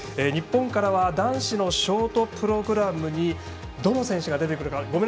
日本からは男子のショートプログラムにどの選手が出てくるか。